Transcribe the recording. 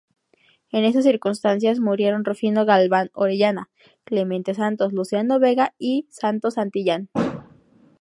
En esas circunstancias murieron Rufino Galván Orellana, Clemente Santos, Luciano Vega y Santos Santillán.